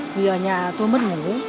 vì ở nhà tôi mất ngủ